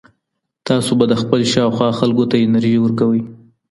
تاسو به د خپل شاوخوا خلګو ته انرژي ورکوئ.